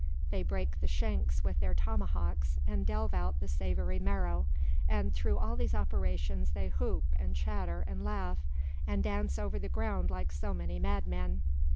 They break the shanks with their tomahawks, and delve out the savoury marrow; and, through all these operations, they whoop, and chatter, and laugh, and dance over the ground like so many madmen.